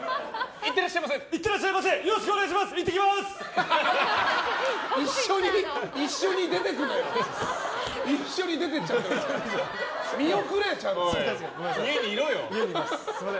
いってらっしゃいませ！